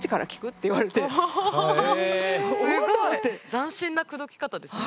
斬新な口説き方ですね。